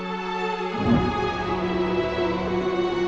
gak mungkin kamu harus sehari hari yang dimakan putri